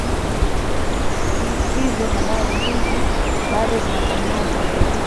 hivyo habari hizi bado zinafanyiwa utafiti